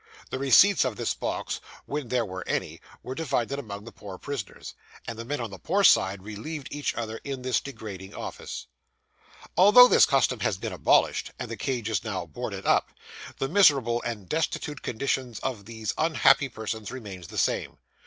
The receipts of this box, when there were any, were divided among the poor prisoners; and the men on the poor side relieved each other in this degrading office. Although this custom has been abolished, and the cage is now boarded up, the miserable and destitute condition of these unhappy persons remains the same.